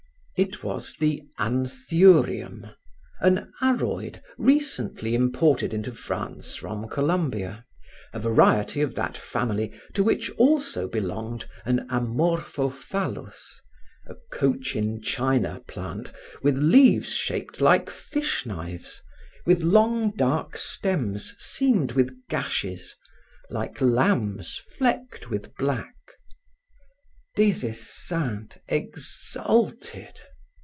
It was the Anthurium, an aroid recently imported into France from Columbia; a variety of that family to which also belonged an Amorphophallus, a Cochin China plant with leaves shaped like fish knives, with long dark stems seamed with gashes, like lambs flecked with black. Des Esseintes exulted.